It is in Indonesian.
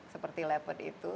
seperti leopard itu